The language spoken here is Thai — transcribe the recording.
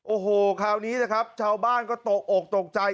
โอ้โหคราวนี้นะครับชาวบ้านก็ตกอกตกใจ